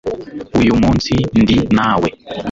uyu munsi ndi nawe